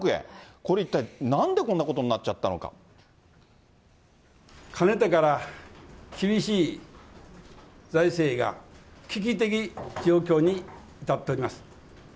これ、一体なんでこんなことになかねてから、厳しい財政が、危機的状況に至っております。